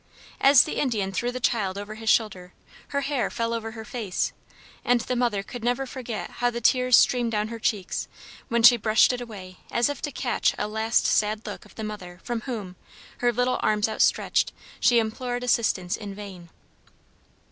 As the Indian threw the child over his shoulder, her hair fell over her face, and the mother could never forget how the tears streamed down her cheeks, when she brushed it away as if to catch a last sad look of the mother from whom, her little arms outstretched, she implored assistance in vain.